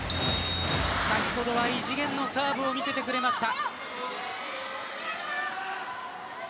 先ほどは異次元のサーブを見せてくれました。